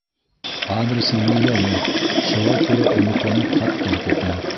Адресым билдәле, шуға күрә өмөтләнеп хаттар көтәм.